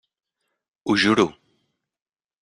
Ho juro.